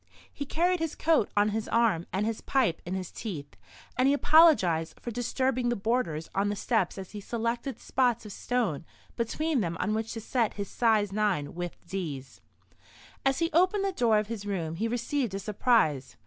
He carried his coat on his arm and his pipe in his teeth; and he apologised for disturbing the boarders on the steps as he selected spots of stone between them on which to set his size 9, width Ds. As he opened the door of his room he received a surprise.